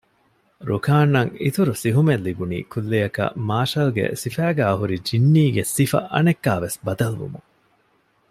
ރުކާންއަށް އިތުރު ސިހުމެއް ލިބުނީ ކުއްލިއަކަށް މާޝަލްގެ ސިފައިގައި ހުރި ޖިންނީގެ ސިފަ އަނެއްކާވެސް ބަދަލުވުމުން